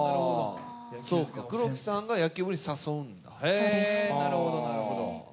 黒木さんが野球部に誘う、なるほど。